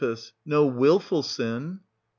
No wilful sin — Ch.